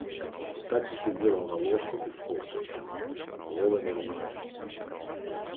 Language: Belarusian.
Так і сядзела на ложку без кофтачкі, з голымі рукамі.